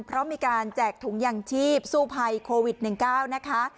เพราะมีการแจกถุงยังชีพสู้ภัยโควิด๑๙นะคะ